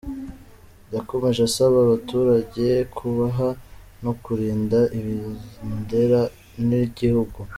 Yakomeje asaba abaturage kubaha no kurinda ibendera ry’igihugu.